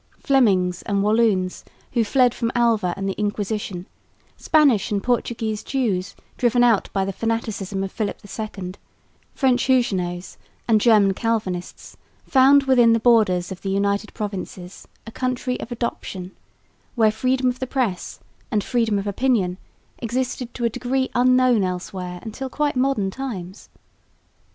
Flemings and Walloons, who fled from Alva and the Inquisition, Spanish and Portuguese Jews driven out by the fanaticism of Philip II, French Huguenots and German Calvinists, found within the borders of the United Provinces a country of adoption, where freedom of the press and freedom of opinion existed to a degree unknown elsewhere until quite modern times.